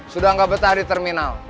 sudah nggak betah di terminal